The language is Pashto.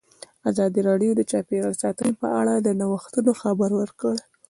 ازادي راډیو د چاپیریال ساتنه په اړه د نوښتونو خبر ورکړی.